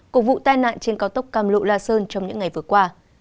của vụ tai nạn trên cao tốc cam lộ la sơn trong những ngày vừa qua